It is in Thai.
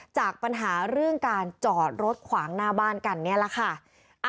จากปัญหาเรื่องการจอดรถขวางหน้าบ้านกันนี่แหละค่ะ